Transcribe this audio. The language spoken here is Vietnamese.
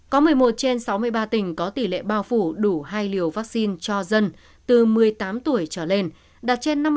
có một mươi một trên sáu mươi ba tỉnh có tỷ lệ bao phủ đủ hai liều vaccine cho dân từ một mươi tám tuổi trở lên đạt trên năm mươi